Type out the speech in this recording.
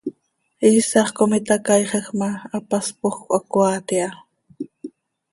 Iisax com itacaaixaj ma, hapaspoj cöhacoaat iha.